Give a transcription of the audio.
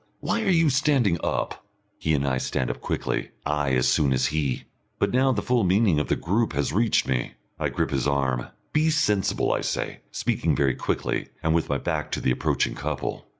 Why are you standing up?" He and I stand up quickly, I as soon as he. But now the full meaning of the group has reached me. I grip his arm. "Be sensible," I say, speaking very quickly, and with my back to the approaching couple.